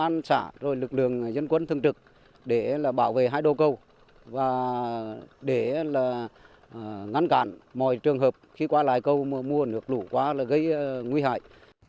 lãnh đạo xã rồi lực lượng dân quân thương trực để bảo vệ hai đầu cầu và để ngăn cản mọi trường hợp khi qua lại cầu mùa mùa lụt lũ quá là gây nguy hại